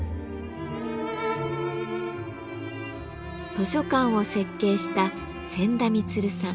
図書館を設計した仙田満さん。